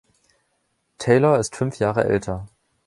Taylor ist fünf Jahre älter.